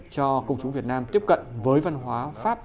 cho công chúng việt nam tiếp cận với văn hóa pháp